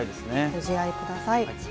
ご自愛ください。